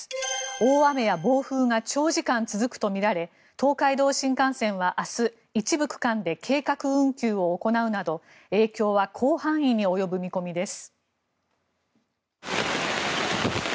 大雨や暴風が長時間続くとみられ東海道新幹線は明日一部区間で計画運休を行うなど影響は広範囲に及ぶ見込みです。